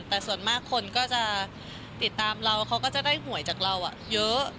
แต่ส่วนมากคนก็จะติดตามเราเขาก็จะได้หวยจากเราเยอะ